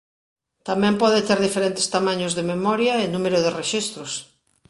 Tamén pode ter diferentes tamaños de memoria e número de rexistros.